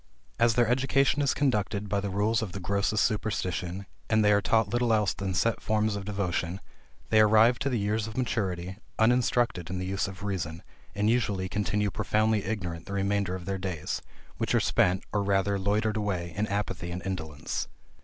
As their education is conducted by the rules of the grossest superstition, and they are taught little else than set forms of devotion, they arrive to the years of maturity uninstructed in the use of reason, and usually continue profoundly ignorant the remainder of their days, which are spent, or rather loitered away, in apathy and indolence.